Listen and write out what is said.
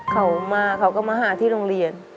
เขามาเขาก็มาหาที่โรงเรียน